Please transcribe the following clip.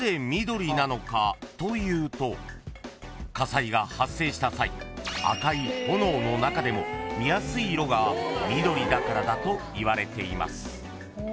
というと火災が発生した際赤い炎の中でも見やすい色が緑だからだといわれています］